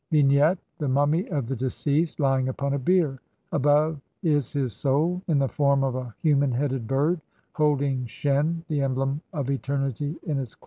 ] Vignette : The mummy of the deceased lying upon a bier ; above is his soul in the form of a human headed bird, holding shen, the emblem of eternity, in its claws.